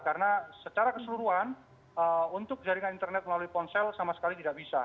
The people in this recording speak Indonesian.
karena secara keseluruhan untuk jaringan internet melalui ponsel sama sekali tidak bisa